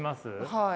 はい。